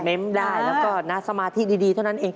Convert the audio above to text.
ได้แล้วก็นะสมาธิดีเท่านั้นเอง